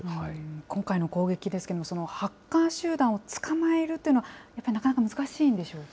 今回の攻撃ですけれども、ハッカー集団を捕まえるっていうのは、やっぱりなかなか難しいんでしょうか。